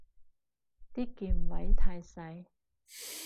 啲鍵位太細